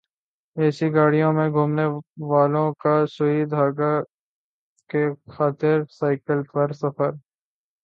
اے C گاڑیوں میں گھومنے والوں کا سوئی دھاگا کی خاطر سائیکل پر سفر